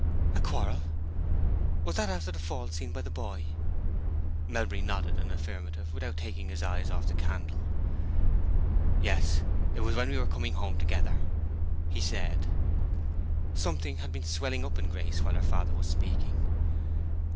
"A quarrel? Was that after the fall seen by the boy?" Melbury nodded an affirmative, without taking his eyes off the candle. "Yes; it was as we were coming home together," he said. Something had been swelling up in Grace while her father was speaking.